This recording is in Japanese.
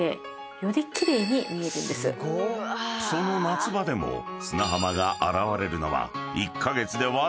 ［その夏場でも砂浜が現れるのは］